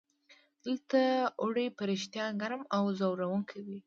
دلته اوړي په رښتیا ګرم او ځوروونکي وي.